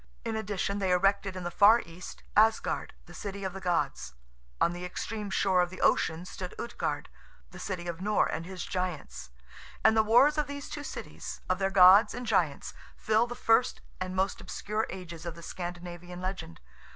In addition, they erected in the far East, Asgard, the City of the Gods; on the extreme shore of the ocean stood Utgard, the City of Nor and his giants, and the wars of these two cities, of their gods and giants, fill the first and most obscure ages of the Scandinavian legend.